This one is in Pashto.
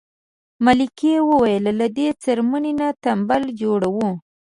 ملکې وویل له دې څرمنې نه تمبل جوړوو.